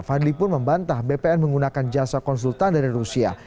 fadli pun membantah bpn menggunakan jasa konsultan dari rusia